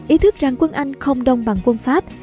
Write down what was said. ý thức rằng quân anh không đông bằng quân pháp